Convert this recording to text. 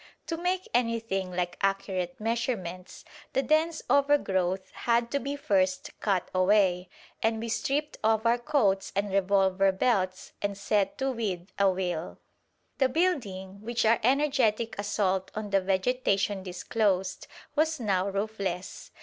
To make anything like accurate measurements the dense overgrowth had to be first cut away, and we stripped off our coats and revolver belts and set to with a will. The building, which our energetic assault on the vegetation disclosed, was now roofless.